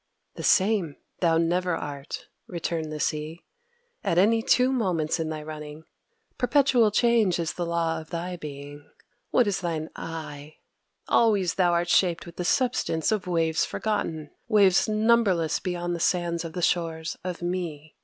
"The same thou never art," returned the Sea, "at any two moments in thy running: perpetual change is the law of thy being. What is thine 'I'? Always thou art shaped with the substance of waves forgotten, waves numberless beyond the sands of the shores of me.